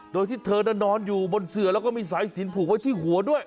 โดยที่เธอนั้นนอนอยู่บนเสือแล้วก็มีสายสินผูกไว้ที่หัวด้วย